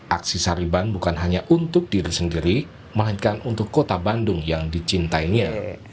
aksi sariban bukan hanya untuk diri sendiri melainkan untuk kota bandung yang dicintainya